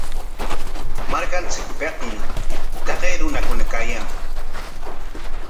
Markanchikpikmi taqay runakuna kayan.